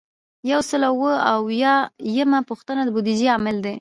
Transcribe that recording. یو سل او اووه اویایمه پوښتنه د بودیجې عامل دی.